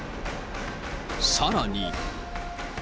さらに。